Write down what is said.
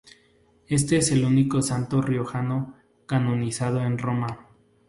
Es el único santo riojano canonizado en Roma.